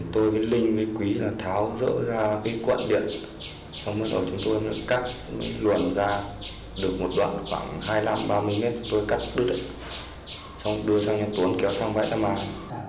tôi với linh với quý tháo dỡ ra quận điện xong rồi chúng tôi cắt luồn ra được một đoạn khoảng hai mươi năm ba mươi m tôi cắt đứt đưa sang nhà tuấn kéo sang bãi tham an